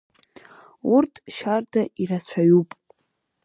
Урҭ шьарда ирацәаҩуп.